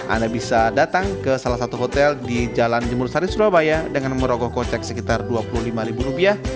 anda bisa datang ke salah satu hotel di jalan jemur sari surabaya dengan merogoh kocek sekitar dua puluh lima ribu rupiah